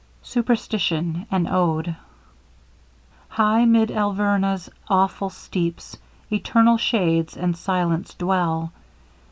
SUPERSTITION AN ODE High mid Alverna's awful steeps, Eternal shades, and silence dwell.